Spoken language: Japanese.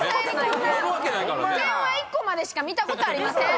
点は１個までしか見たことありません。